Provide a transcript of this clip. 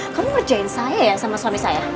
kamu ngerjain saya ya sama suami saya